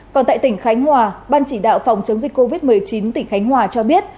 còn tại tỉnh khánh hòa ban chỉ đạo phòng chống dịch covid một mươi chín tỉnh khánh hòa cho biết